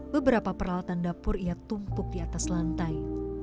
beberapa peralatan dapur ia tumpuk di atas lantai